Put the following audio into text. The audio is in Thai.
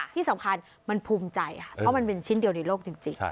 ที่สำคัญมันภูมิใจค่ะเพราะมันเป็นชิ้นเดียวในโลกจริง